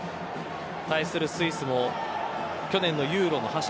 対するスイスも去年のユーロの覇者